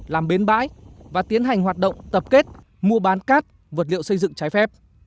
làm bến bãi và tiến hành hoạt động tập kết mua bán cát vật liệu xây dựng trái phép